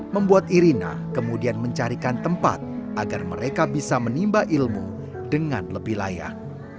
membuat irina kemudian mencarikan tempat agar mereka bisa menimba ilmu dengan lebih layak